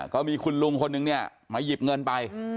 ก็มีคนลุงคนนึงเนี่ยมีฟังหยิบเครื่องเงินไป